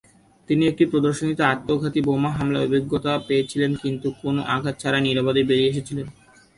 তিনি একটি প্রদর্শনীতে আত্মঘাতী বোমা হামলার অভিজ্ঞতা পেয়েছিলেন কিন্তু কোনো আঘাত ছাড়াই নিরাপদে বেরিয়ে এসেছিলেন।